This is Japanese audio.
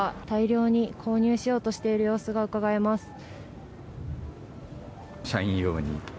大量に購入しようとしている様子がうかがえます。